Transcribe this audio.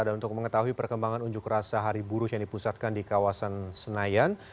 dan untuk mengetahui perkembangan unjuk rasa hari buru yang dipusatkan di kawasan senayan